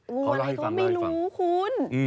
งูมาในทุกไม่รู้คุณ